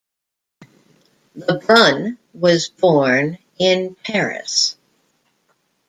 Lebrun was born in Paris.